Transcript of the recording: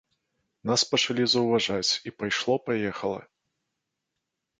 Нас пачалі заўважаць і пайшло-паехала.